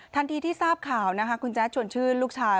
ที่ทราบข่าวนะคะคุณแจ๊ดชวนชื่นลูกชาย